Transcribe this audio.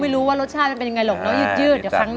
รสชาติมั้ยยังยืด